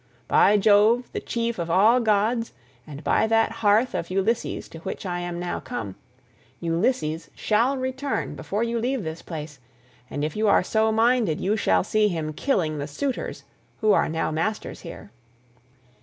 By Jove, the chief of all gods, and by that hearth of Ulysses to which I am now come, Ulysses shall return before you leave this place, and if you are so minded you shall see him killing the suitors who are now masters here."